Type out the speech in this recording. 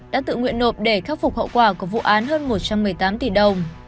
đã tự nguyện nộp để khắc phục hậu quả của vụ án hơn một trăm một mươi tám tỷ đồng